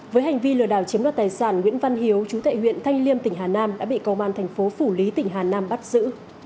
với hành vi lừa đảo chiếm đoạt tài sản nguyễn văn hiếu chú tại huyện thanh liêm tỉnh hà nam đã bị công an thành phố phủ lý tỉnh hà nam bắt giữ